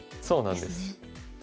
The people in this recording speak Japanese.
そうなんです。